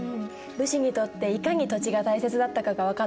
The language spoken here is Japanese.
武士にとっていかに土地が大切だったかが分かった。